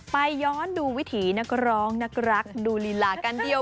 ย้อนดูวิถีนักร้องนักรักดูลีลากันเดียว